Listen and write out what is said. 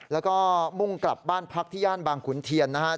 แล้วก็มุ่งกลับบ้านพักที่ย่านบางขุนเทียนนะครับ